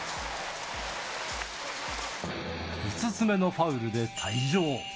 ５つ目のファウルで退場。